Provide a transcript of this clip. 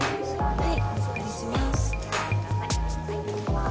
はい。